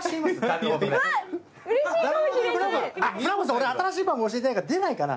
俺新しい番号教えてないから出ないかな。